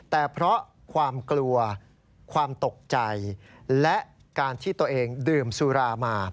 แต่เพราะความกลัวความตกใจและการที่ตัวเองดื่มสุรามา